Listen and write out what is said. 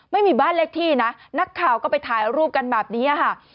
ไม่มีบ้านเลขที่นะนักข่าวก็ไปถ่ายรูปกันแบบนี้ค่ะ